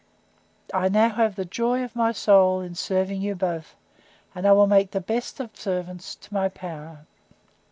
—I now have the joy of my soul, in serving you both; and I will make the best of servants, to my power.